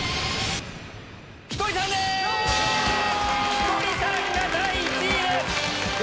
ひとりさんが第１位です！